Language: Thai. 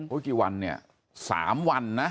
กี่วันเนี่ย๓วันนะ